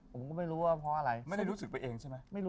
ผมก็ไม่รู้ว่าเพราะอะไร